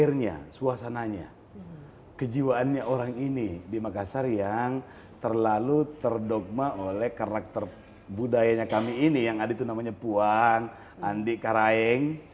akhirnya suasananya kejiwaannya orang ini di makassar yang terlalu terdogma oleh karakter budayanya kami ini yang ada itu namanya puang andi karaeng